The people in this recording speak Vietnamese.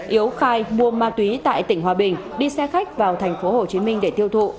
yếu khai mua ma túy tại tỉnh hòa bình đi xe khách vào thành phố hồ chí minh để tiêu thụ